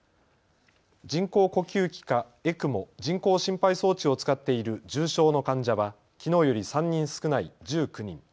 人工呼吸器かＥＣＭＯ・人工心肺装置を使っている重症の患者はきのうより３人少ない１９人。